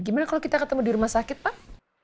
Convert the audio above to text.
gimana kalau kita ketemu di rumah sakit pak